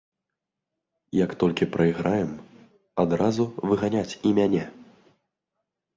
Як толькі прайграем, адразу выганяць і мяне.